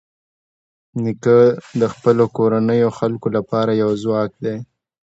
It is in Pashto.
نیکه د خپلو کورنیو خلکو لپاره یو ځواک دی.